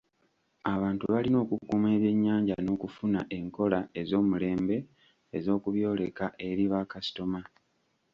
Abantu balina okukuuma ebyennyanja n'okufuna enkola ez'omulembe ez'okubyoleka eri bakasitoma.